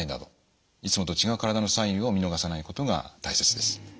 いつもと違う体のサインを見逃さないことが大切です。